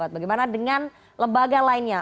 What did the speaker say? bagaimana dengan lembaga lainnya